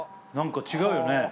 何か違うよね